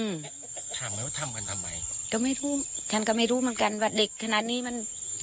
อืมถามไหมว่าทำกันทำไมก็ไม่พูดฉันก็ไม่รู้เหมือนกันว่าเด็กขนาดนี้มัน